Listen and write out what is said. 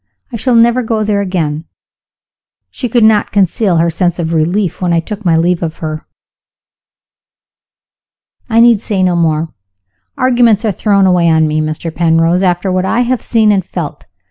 I shall never go there again. She could not conceal her sense of relief when I took my leave of her. I need say no more. Arguments are thrown away on me, Mr. Penrose, after what I have seen and felt.